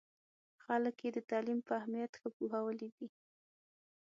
خلک یې د تعلیم په اهمیت ښه پوهولي دي.